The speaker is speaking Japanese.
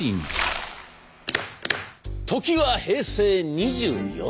時は平成２４年。